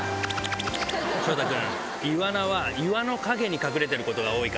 翔太君。